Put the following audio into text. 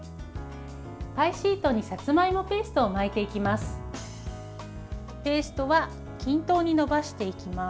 パイシートにさつまいもペーストを巻いていきます。